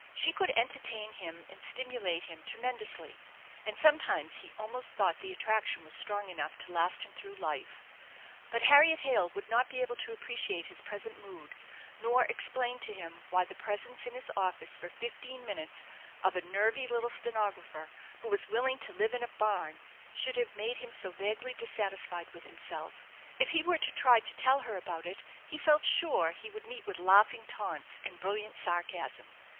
She could entertain him and stimulate him tremen dously, and sometimes he almost thought the attraction was strong enough to last him through life; but Harriet Hale would not be able to appreciate his present mood nor explain to him why the presence in his office for fifteen minutes of a nervy little stenographer who was willing to live in a barn ehould have made him so vaguely dissatisfied with himself. If he were to try to tell her about it, he felt sure he would meet with laughing taunts and brilliant sarcasm.